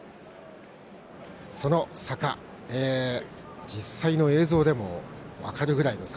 その坂、実際の映像でも分かるぐらいの坂。